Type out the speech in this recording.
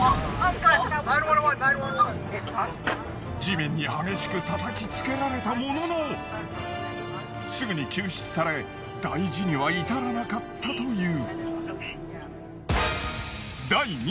地面に激しく叩きつけられたもののすぐに救出され大事には至らなかったという。